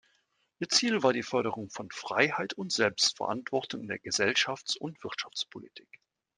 Ihr Ziel war die Förderung von Freiheit und Selbstverantwortung in der Gesellschafts- und Wirtschaftspolitik.